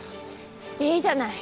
いいじゃない。